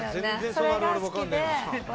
それが好きで。